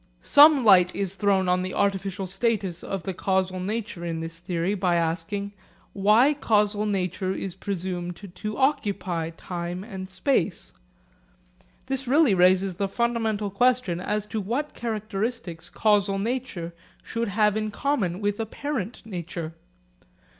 Some light is thrown on the artificial status of causal nature in this theory by asking, why causal nature is presumed to occupy time and space. This really raises the fundamental question as to what characteristics causal nature should have in common with apparent nature.